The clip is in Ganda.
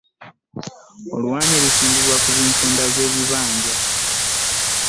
Oluwanyi lusimbibwa ku nsonda zebibanja.